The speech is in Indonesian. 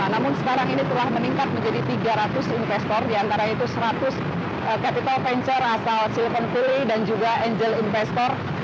namun sekarang ini telah meningkat menjadi tiga ratus investor diantara itu seratus capital venture asal silicon valley dan juga angel investor